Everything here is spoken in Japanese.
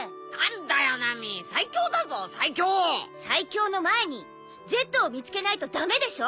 最強の前にＺを見つけないと駄目でしょ？